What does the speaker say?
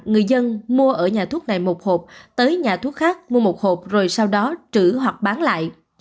người dân mua ở nhà thuốc này một hộp tới nhà thuốc khác mua một hộp rồi sau đó trữ hoặc bán lại